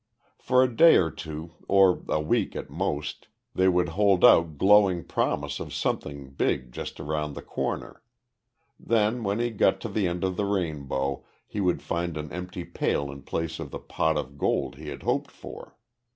For a day or two, or a week at most, they would hold out glowing promise of something big just around the corner. Then, when he got to the end of the rainbow, he would find an empty pail in place of the pot of gold he had hoped for.